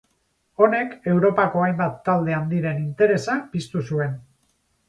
Honek Europako hainbat talde handiren interesa piztu zuen.